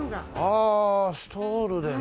ああストールでね！